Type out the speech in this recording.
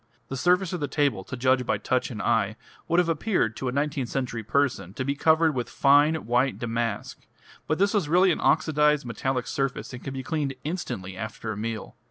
The surface of the table, to judge by touch and eye, would have appeared to a nineteenth century person to be covered with fine white damask, but this was really an oxidised metallic surface, and could be cleaned instantly after a meal.